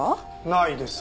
ないです。